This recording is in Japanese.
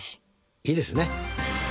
いいですね。